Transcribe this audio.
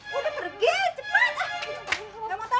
sudah pergi cepat